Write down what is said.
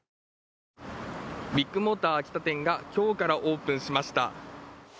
ビッグモーター秋田店が今日からオープンしました。